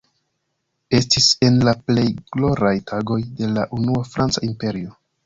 Estis en la plej gloraj tagoj de la unua franca imperio.